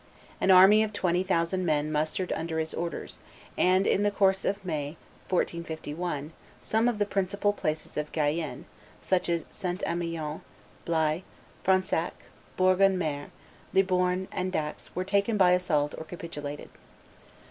An army of twenty thousand men mustered under his orders; and, in the course of May, 1451, some of the principal places of Guyenne, such as St. Emillon, Blaye, Fronsac, Bourg en Mer, Libourne, and Dax were taken by assault or capitulated.